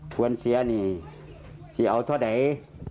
ควรเสียนี่จะเอาเท่าไหน